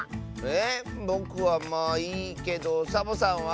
えぼくはまあいいけどサボさんは？